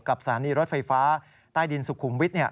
สถานีรถไฟฟ้าใต้ดินสุขุมวิทย์